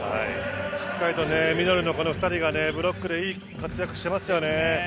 しっかりとミドルのこの２人がブロックでいい活躍をしていますよね。